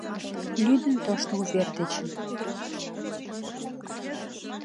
Лӱдын тошто увер дечын